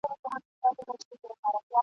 درې ملګري له کلو انډیوالان وه !.